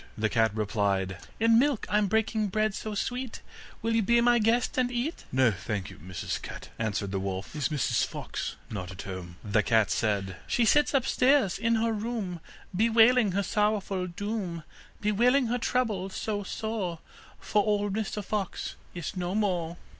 The cat replied: 'In milk I'm breaking bread so sweet, Will you be my guest, and eat?' 'No, thank you, Mrs Cat,' answered the wolf. 'Is Mrs Fox not at home?' The cat said: 'She sits upstairs in her room, Bewailing her sorrowful doom, Bewailing her trouble so sore, For old Mr Fox is no more.